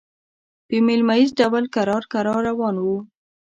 په مېله ییز ډول کرار کرار روان وو.